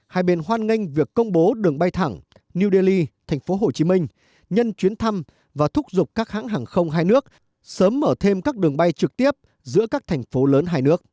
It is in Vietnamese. hai bên hoan nghênh việc công bố đường bay thẳng new delhi thành phố hồ chí minh nhân chuyến thăm và thúc giục các hãng hàng không hai nước sớm mở thêm các đường bay trực tiếp giữa các cảng biển